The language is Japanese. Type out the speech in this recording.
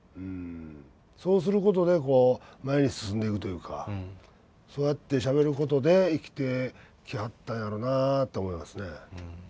そうすることでこう前に進んでいくというかそうやってしゃべることで生きてきはったんやろなあと思いますね。